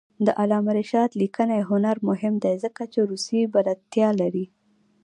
د علامه رشاد لیکنی هنر مهم دی ځکه چې روسي بلدتیا لري.